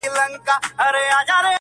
o بنده و خپل عمل!